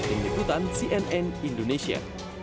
ini ikutan cnn indonesia